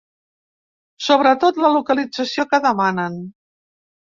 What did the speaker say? Sobretot la localització que demanen.